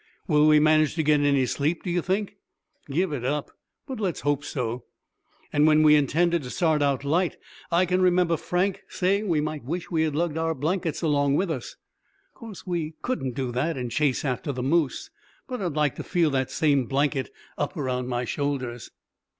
Will we manage to get any sleep, do you think?" "Give it up; but let's hope so." "And when we intended to start out light, I can remember Frank saying we might wish we had lugged our blankets along with us. 'Course we, couldn't do that, and chase after the moose; but I'd like to feel that same blanket up around my shoulders."